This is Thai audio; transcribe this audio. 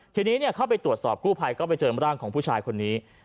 ทีนี้เข้าไปตรวจสอบกู้ภัยก็ไปเจอร่างของผู้ชายคนนี้